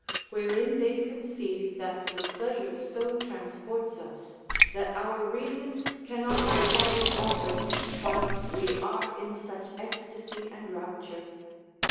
] wherein they conceive that the pleasure so transports us, that our reason cannot perform its office, whilst we are in such ecstasy and rapture.